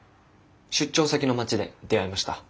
出張先の町で出会いました。